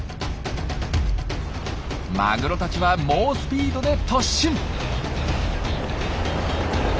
マグロたちは猛スピードで突進。